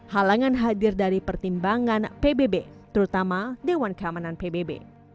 halangan hadir dari pertimbangan pbb terutama dewan keamanan pbb